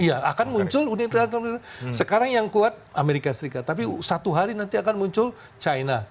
iya akan muncul universitas universitas sekarang yang kuat amerika serikat tapi satu hari nanti akan muncul china